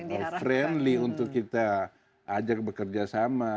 bukan satu negara yang friendly untuk kita ajak bekerja sama